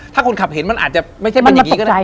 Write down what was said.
ถ้าคนขับเห็นมันอาจจะไม่ใช่มันอย่างนี้ก็ได้